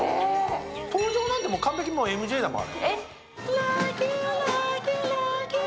登場なんて完璧ＭＪだもん。